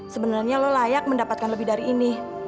sebenarnya lo layak mendapatkan lebih dari ini